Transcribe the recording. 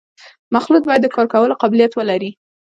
مخلوط باید د کار کولو قابلیت ولري